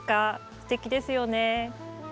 すてきですよね。